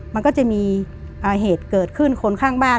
มันก็จะมีเหตุเกิดขึ้นคนข้างบ้าน